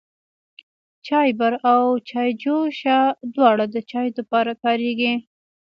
چايبر او چايجوشه دواړه د چايو د پاره کاريږي.